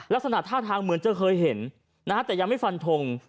ลักษณะท่าทางเหมือนจะเคยเห็นนะฮะแต่ยังไม่ฟันทง